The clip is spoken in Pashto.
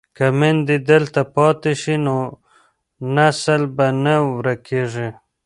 که میندې دلته پاتې شي نو نسل به نه ورکيږي.